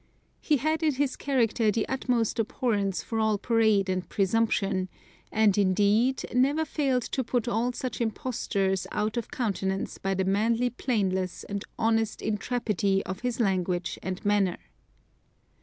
He had in his character the utmost abhorrece for all parade and presumption, and, indeed, never failed to put all such imposters out of countenance by the manly plainness and honest intrepidity of his language and manner.